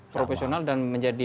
profesional dan menjadi